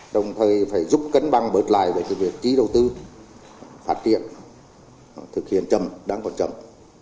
đồng thời phải giúp cấn băng bớt lại về cái việc trí đầu tư phát triển thực hiện chậm đáng quan trọng